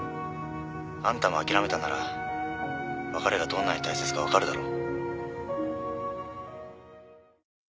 あんたも諦めたんなら別れがどんなに大切か分かるだろ？